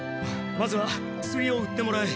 まずは薬を売ってもらえ。